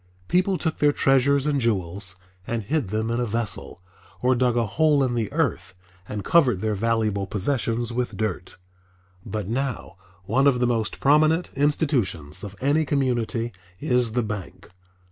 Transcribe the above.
People took their treasures and jewels and hid them in a vessel, or dug a hole in the earth and covered their valuable possessions with dirt. But now one of the most prominent institutions of any community is the bank.